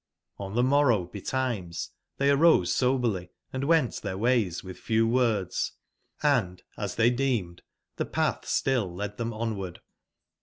On the morrow be times they arose soberly and went their ways with few words, and, as they deemed, the path still led them onward.